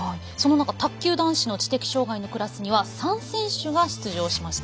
卓球男子の知的障がいのクラスには３選手が出場しました、